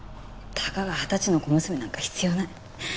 たかが二十歳の小娘なんか必要ない。